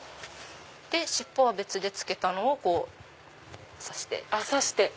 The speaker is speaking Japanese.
尻尾は別で付けたのを刺して。